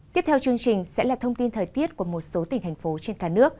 tiếp theo chương trình sẽ là thông tin thời tiết của một số tỉnh thành phố